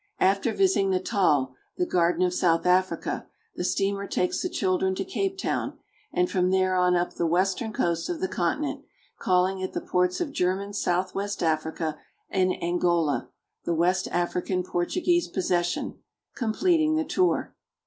After visiting Natal, the Garden of South Africa, the steamer takes the children to Cape Town, and from there on up the western coast of the continent, calling at the ports of German Southwest Africa and Angola, the west African Portuguese possession, completing the tour.